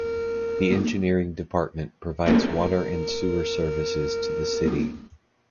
The Engineering department provides water and sewer service to the city.